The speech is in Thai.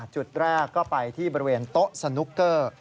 จุดแรกก็ไปที่บริเวณโต๊ะสนุกเกอร์